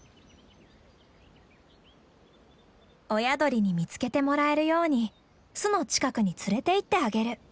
親鳥に見つけてもらえるように巣の近くに連れていってあげる。